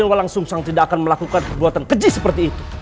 raden wolang sungsang tidak akan melakukan kebuatan keji seperti itu